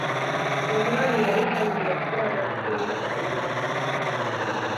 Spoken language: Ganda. Omwami yali tayinza kugaana kugenda naye.